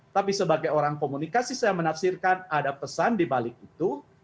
tapi sebagai orang komunikasi saya menafsirkan ada pesan di balik itu